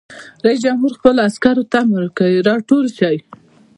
رئیس جمهور خپلو عسکرو ته امر وکړ؛ راټول شئ!